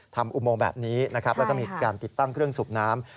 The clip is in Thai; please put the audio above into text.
ทำอุโมงแบบนี้และก็มีการติดตั้งเครื่องสูบน้ำ